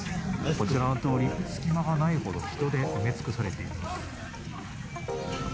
こちらの通り、隙間がないほど人で埋め尽くされています。